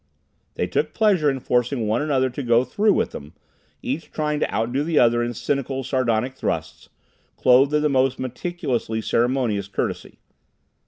They took pleasure in forcing one another to go through with them, each trying to outdo the other in cynical, sardonic thrusts, clothed in the most meticulously ceremonious courtesy.